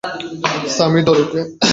সামি, ধর ওকে।